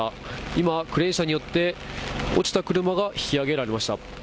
今、クレーン車によって落ちた車が引き揚げられました。